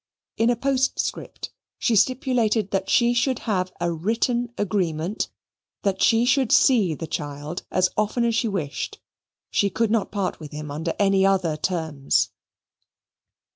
In a postscript, she stipulated that she should have a written agreement, that she should see the child as often as she wished she could not part with him under any other terms.